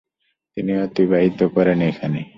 তিনি অতিবাহিত করেন এখানে।